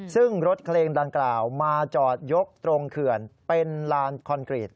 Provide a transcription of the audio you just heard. ซึ่งรถเคลงดังกล่าวมาจอดยกตรงเขื่อนเป็นลานคอนกรีต